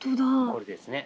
これですね。